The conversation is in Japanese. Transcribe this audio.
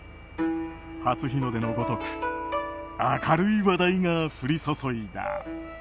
初日の出のごとく明るい話題が降り注いだ。